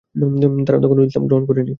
তারা তখনও ইসলাম গ্রহণ করেনি।